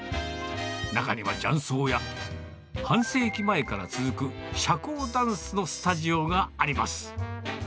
中には雀荘や、半世紀前から続く社交ダンスのスタジオがあります。